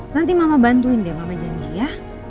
nanti mama bantuin deh mama janji ya